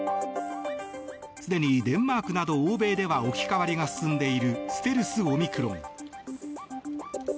すでにデンマークなど欧米では置き換わりが進んでいるステルスオミクロン。